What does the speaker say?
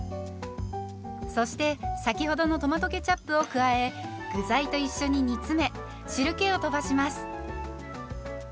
そして先ほどのトマトケチャップを加え具材と一緒に煮詰め汁けをとばします。